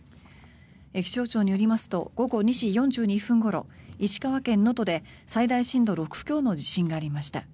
気象庁によりますと午後２時４２分ごろ石川県能登で最大震度６強の地震がありました。